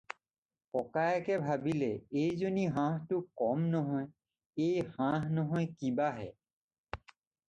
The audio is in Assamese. "ককায়েকে ভাবিলে- "এইজনী হাঁহতো কম নহয়, এই হাঁহ নহয় কিবাহে।"